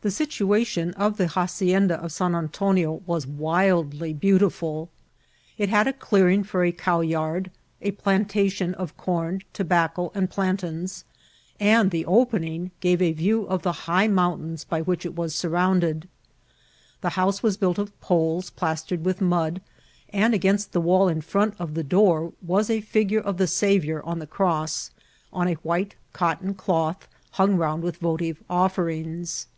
The situation of the hacienda of San Antonio was wildly beautiful. It had a clearing for a cowyard, a plantation of com, tobacco, and plantains, and the opening gave a view of the high mountains by which it was surrounded. The house was built of poles plas* tered with mud, and against the wall in front <^ the door was a figure of the Saviour on the cross, on a white cotton cloth hung round with votive offerings.